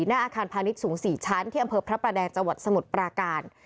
หน้าอาคารพาณิชย์สูง๔ชั้นที่อำเภอพระประแดงจังหวัดสมุทรปราการ